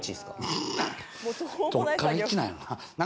どっから１なんかな？